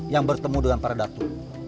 yang bertemu dengan para datu